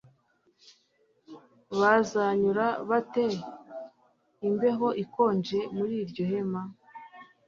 Bazanyura bate imbeho ikonje muri iryo hema